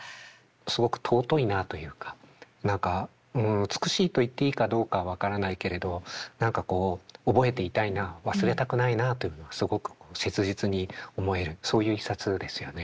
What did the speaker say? すごく尊いなあというか何かうん美しいといっていいかどうか分からないけれど何かこう覚えていたいなあ忘れたくないなあというのはすごく切実に思えるそういう一冊ですよね。